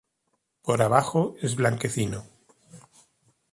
Por abajo es blanquecino.